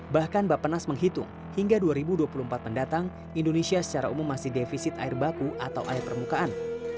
bahkan bapak nas menghitung hingga dua ribu dua puluh empat mendatang indonesia secara umum masih defisit air baku atau air permukaan